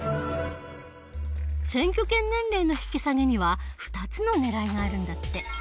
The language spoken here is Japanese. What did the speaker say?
選挙権年齢の引き下げには２つのねらいがあるんだって。